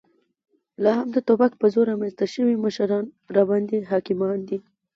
لا هم د توپک په زور رامنځته شوي مشران راباندې حاکمان دي.